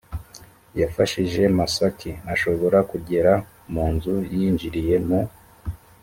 yafashije masaaki ashobora kugera mu nzu yinjiriye mu